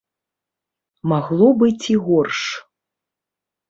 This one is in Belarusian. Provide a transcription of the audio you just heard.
Магло быць і горш.